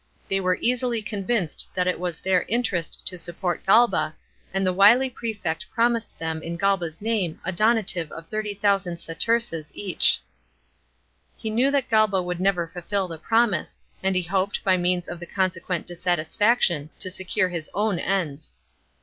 They were easily convinced that it was their interest to support Galba, and the wily prefect promised them in Galba's name a donative of 30,000 sesterces each. He knew that Galba would never fulfil the promise, and he hoped, by means of the consequent dissatisfaction, to secure his own ends.